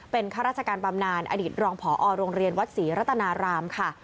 เป็นข้าราชการบำนานอดีตรองผอโรงเรียนวัดศรีรัตนารามค่ะ